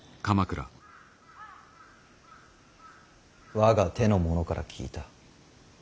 我が手の者から聞いた。